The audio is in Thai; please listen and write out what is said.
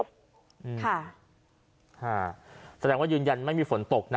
ค่ะแสดงว่ายืนยันไม่มีฝนตกนะ